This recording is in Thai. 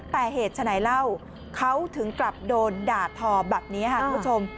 แต่เหตุฉะไหนเล่าเขาถึงกลับโดนด่าทอแบบนี้ค่ะคุณผู้ชม